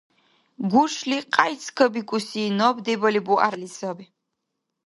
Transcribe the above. Гушли къяйцӀкабикӀуси наб дебали бугӀярли саби.